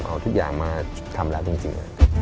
เอาทุกอย่างมาทำแล้วจริง